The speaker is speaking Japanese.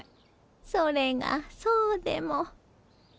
それがそうでも。